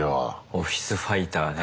オフィスファイターね。